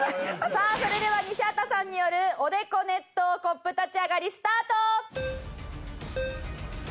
さあそれでは西畑さんによるおでこ熱湯コップ立ち上がりスタート！